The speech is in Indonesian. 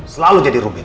selalu jadi rumit